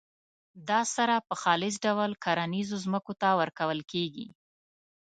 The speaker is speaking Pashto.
دا سره په خالص ډول کرنیزو ځمکو ته ورکول کیږي.